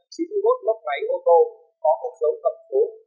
chia làm tiêu cổ công tác phá án